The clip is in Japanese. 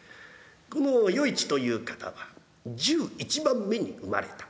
この与一という方は１１番目に生まれた。